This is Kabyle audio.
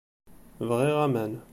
Bɣiɣ aman.